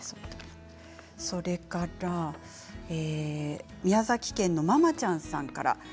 それから宮崎県の方からです。